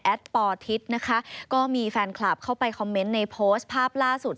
ปอทิศนะคะก็มีแฟนคลับเข้าไปคอมเมนต์ในโพสต์ภาพล่าสุด